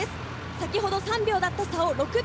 先ほど３秒だった差を６秒